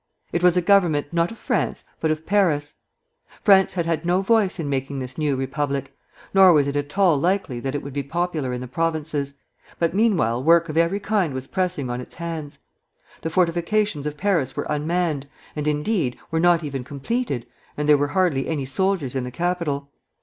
It was a Government, not of France, but of Paris. France had had no voice in making this new Republic, nor was it at all likely that it would be popular in the Provinces; but meanwhile work of every kind was pressing on its hands. The fortifications of Paris were unmanned, and, indeed, were not even completed, and there were hardly any soldiers in the capital.